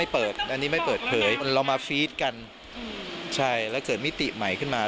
เปิดอันนี้ไม่เปิดเผยเรามาฟีดกันใช่แล้วเกิดมิติใหม่ขึ้นมา